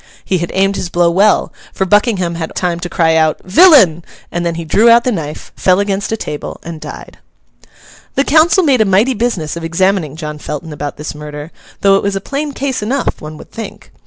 He had aimed his blow well, for Buckingham had only had time to cry out, 'Villain!' and then he drew out the knife, fell against a table, and died. The council made a mighty business of examining John Felton about this murder, though it was a plain case enough, one would think.